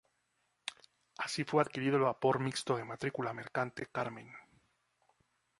Así fue adquirido el vapor mixto de matrícula mercante "Carmen".